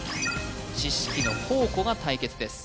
知識の宝庫が対決です